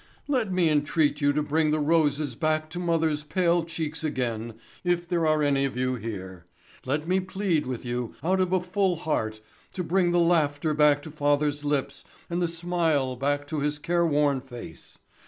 "Let me entreat you to bring the roses back to mother's pale cheeks again if there are any of you here. Let me plead with you, out of a full heart, to bring the laughter back to father's lips and the smile back to his care worn face.